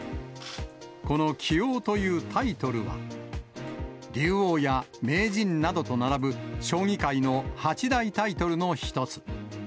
この棋王というタイトルは、竜王や名人などと並ぶ将棋界の八大タイトルの１つ。